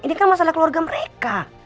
ini kan masalah keluarga mereka